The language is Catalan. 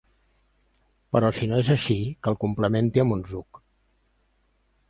Però si no és així que el complementi amb un Zug.